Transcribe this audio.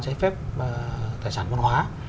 giải phép tài sản văn hóa